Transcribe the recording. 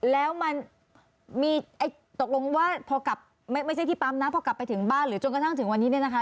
แล้วมันมีตกลงว่าพอกลับไม่ใช่ที่ปั๊มนะพอกลับไปถึงบ้านหรือจนกระทั่งถึงวันนี้เนี่ยนะคะ